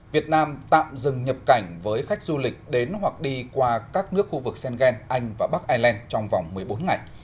việt nam tạm dừng nhập cảnh với khách du lịch đến hoặc đi qua các nước khu vực schengen anh và bắc ireland trong vòng một mươi bốn ngày